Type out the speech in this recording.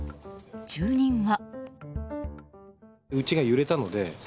住人は。